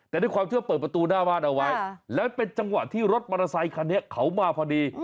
แต่ด้วยความเชื่อเปิดประตูหน้าบ้านเอาไว้แล้วเป็นจังหวะที่รถมอเตอร์ไซคันนี้เขามาพอดี